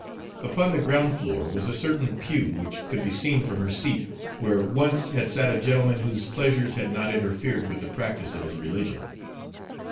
Upon the ground floor was a certain pew which could be seen from her seat, where once had sat a gentleman whose pleasures had not interfered with the practice of his religion.